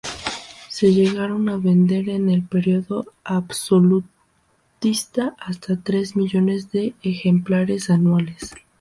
Se llegaron a vender en el periodo absolutista hasta tres millones de ejemplares anuales.